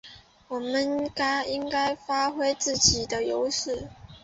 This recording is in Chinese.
我们应该发挥我们的优势